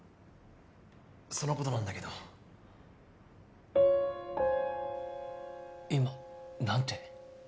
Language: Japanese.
そのことなんだけど今なんて？